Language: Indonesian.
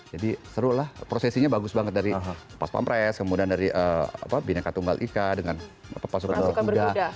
jadi seru lah prosesinya bagus banget dari pas pampres kemudian dari binangka tunggal ika dengan pasukan berguda